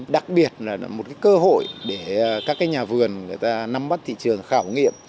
đặc biệt là một cơ hội để các nhà vườn người ta nắm bắt thị trường khảo nghiệm